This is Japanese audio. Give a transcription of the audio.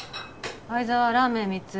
愛沢ラーメン３つ。